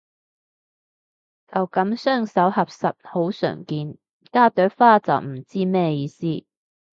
就噉雙手合十好常見，加朵花就唔知咩意思